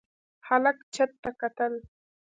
هلک چت ته کتل.